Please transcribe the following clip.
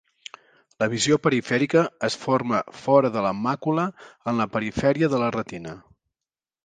La visió perifèrica es forma fora de la màcula, en la perifèria de la retina.